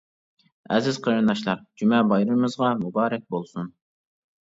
ئەزىز قېرىنداشلار جۈمە بايرىمىمىزغا مۇبارەك بولسۇن!